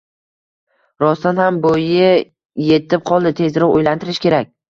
Rostdan ham, bo`yi etib qoldi, tezroq uylantirish kerak